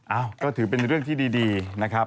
เอ้าก็ถือเป็นเรื่องที่ดีนะครับ